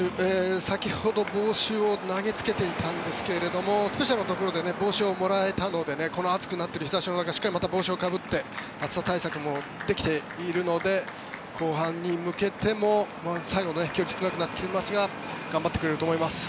先ほど帽子を投げつけていたんですけどスペシャルのところで帽子をもらえたのでこの暑くなっている日差しの中またしっかり帽子をかぶって暑さ対策もできているので後半に向けても最後きつくなってきていますが頑張ってくれると思います。